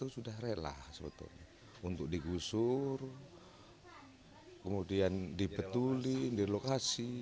sudah rela sebetulnya untuk digusur kemudian dibetulin dilokasi